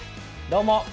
どうも！